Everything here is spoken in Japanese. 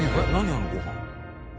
あのご飯。